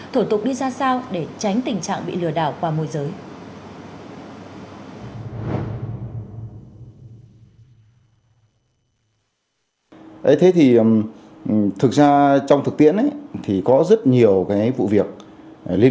thủ tục đi ra sao để tránh tình trạng bị lừa đảo qua môi giới